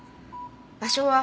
場所は。